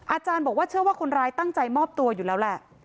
อาจารย์บอกว่าเชื่อว่าคนร้ายตั้งใจมอบตัวอยู่แล้วแหละ